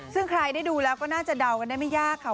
ซึ่งใครได้ดูแล้วก็น่าจะเดากันได้ไม่ยากค่ะ